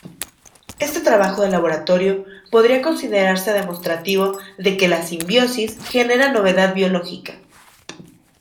Este trabajo de laboratorio podría considerarse demostrativo de que la simbiosis genera novedad biológica.